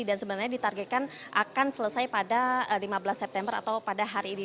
sebenarnya ditargetkan akan selesai pada lima belas september atau pada hari ini